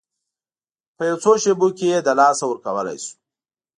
په یو څو شېبو کې یې له لاسه ورکولی شو.